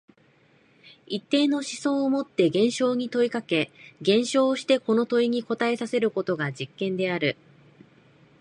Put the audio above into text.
一定の思想をもって現象に問いかけ、現象をしてこの問いに答えさせることが実験である。